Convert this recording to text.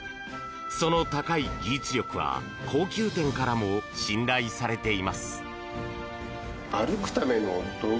その高い技術力は高級店からも信頼されています。